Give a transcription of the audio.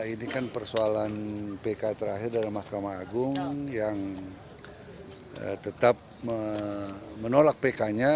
ini kan persoalan pk terakhir dalam mahkamah agung yang tetap menolak pk nya